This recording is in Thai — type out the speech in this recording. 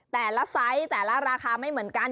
แต่ละไซส์แต่ละราคาไม่เหมือนกัน